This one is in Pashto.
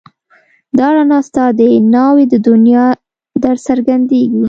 دا رڼا ستا د ناوې د دنيا درڅرګنديږي